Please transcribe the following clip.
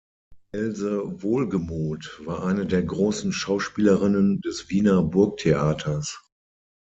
Else Wohlgemuth war eine der großen Schauspielerinnen des Wiener Burgtheaters.